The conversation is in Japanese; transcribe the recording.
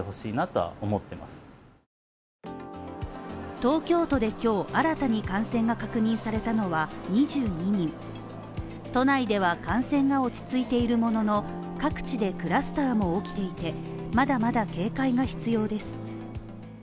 東京都で今日新たに感染が確認されたのは２２人、都内では感染が落ち着いているものの、各地でクラスターも起きていて、まだまだ警戒が必要です。